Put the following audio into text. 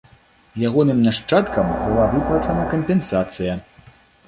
Ягоным нашчадкам была выплачана кампенсацыя.